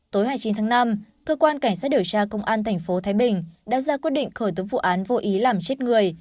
tối hai mươi chín tháng năm cơ quan cảnh sát điều tra công an tp thái bình đã ra quyết định khởi tố vụ án vô ý làm chết người